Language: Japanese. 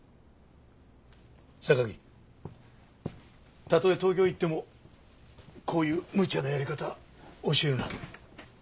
榊たとえ東京行ってもこういうむちゃなやり方教えるな。